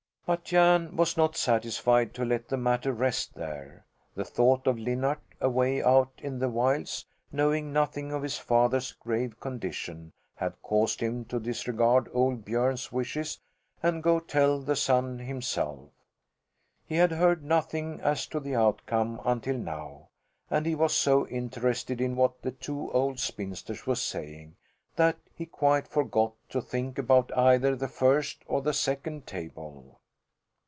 But Jan was not satisfied to let the matter rest there. The thought of Linnart away out in the wilds, knowing nothing of his father's grave condition had caused him to disregard old Björn's wishes and go tell the son himself. He had heard nothing as to the outcome until now, and he was so interested in what the two old spinsters were saying, that he quite forgot to think about either the first or the second table.